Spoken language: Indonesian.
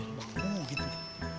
ini mobil bang muhyiddin